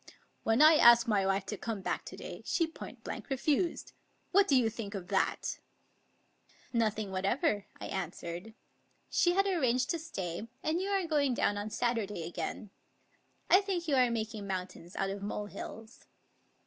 " When I asked my wife to come back to day, she point blank refused. What do you think of that ?"" Nothing whatever," I answered. " She had arranged to stay, and you are going down on Saturday again. I think you are making mountains out of molehills."